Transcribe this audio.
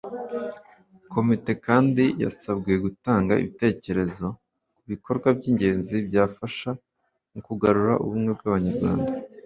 Komite kandi yasabwe gutanga ibitekerezo ku bikorwa by'ingenzi byafasha mu kugarura ubumwe bw'Abanyarwanda